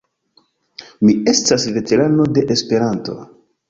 Mi estas veterano de Esperanto.